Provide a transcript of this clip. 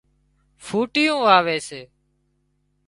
ڦُٽيون واوي سي